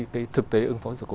cái thực tế ứng phó sự cố